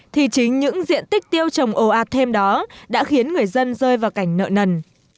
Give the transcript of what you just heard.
thì chính những diện tích tiêu trồng ồ ạt thêm đó đã khiến người dân rơi vào cảnh nợ nần